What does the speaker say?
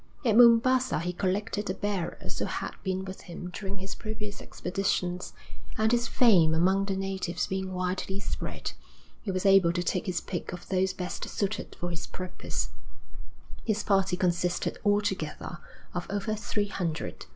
At Mombassa he collected the bearers who had been with him during his previous expeditions, and, his fame among the natives being widely spread, he was able to take his pick of those best suited for his purpose. His party consisted altogether of over three hundred.